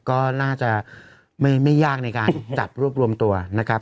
ก็น่าจะไม่ยากในการจัดรวบรวมตัวนะครับ